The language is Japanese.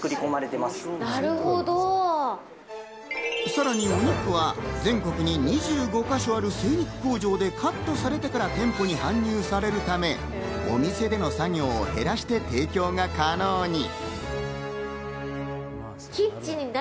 さらにお肉は全国に２５か所ある精肉工場でカットされてから店舗に搬入されるため、お店での作業を減らして提供が可能に。